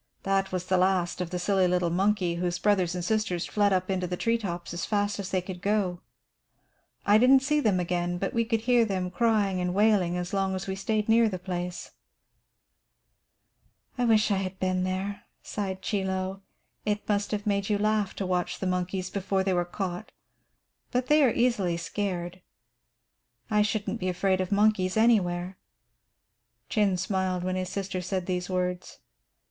That was the last of the silly little monkey, whose brothers and sisters fled up into the tree tops as fast as they could go. I didn't see them again, but we could hear them crying and wailing as long as we stayed near the place." "I wish I had been there," sighed Chie Lo. "It must have made you laugh to watch the monkeys before they were caught. But they are easily scared. I shouldn't be afraid of monkeys anywhere." Chin smiled when his sister said these words.